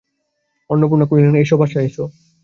অন্নপূর্ণা কহিলেন, এসো এসো বাছা, বসো।